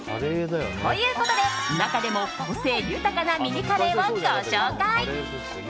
ということで、中でも個性豊かなミニカレーをご紹介。